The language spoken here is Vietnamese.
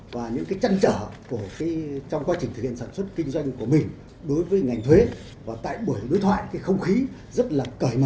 và có trên thêm đối thoại hợp tác cởi mở